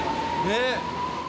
ねっ！